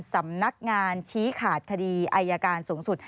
สำนักงานชี้ขาดคดีอายการสูงสุด